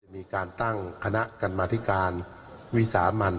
มีการตั้งคณะกรรมธิการวิสามัน